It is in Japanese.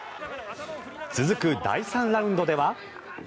続く、第３ラウンドでは。